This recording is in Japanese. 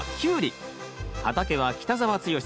畑は北澤豪さん